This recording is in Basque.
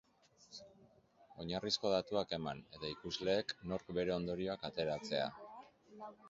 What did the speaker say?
Oinarrizko datuak eman, eta ikusleek nork bere ondorioak ateratzea.